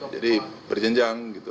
jadi berjenjang gitu loh